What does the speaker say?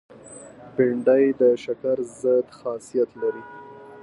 بېنډۍ د شکر ضد خاصیت لري